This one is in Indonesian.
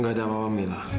gak ada apa apa mila